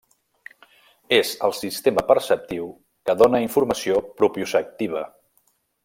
És el sistema perceptiu que dóna informació propioceptiva.